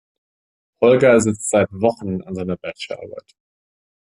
Holger sitzt seit Wochen an seiner Bachelor Arbeit.